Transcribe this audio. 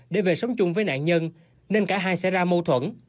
để về sống chung với nạn nhân nên cả hai sẽ ra mâu thuẫn